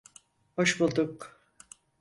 Hoş bulduk.